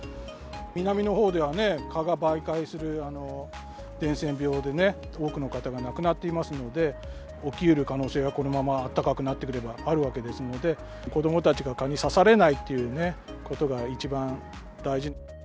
南のほうではね、蚊が媒介する伝染病で、多くの方が亡くなっていますので、起きうる可能性が、このまま暖かくなってくればあるわけですので、子どもたちが蚊に刺されないってことが一番大事。